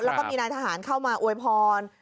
แล้วก็มีนายทหารเข้ามาอวยพร